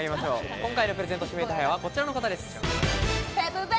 今回のプレゼント指名手配は、こちらの方です。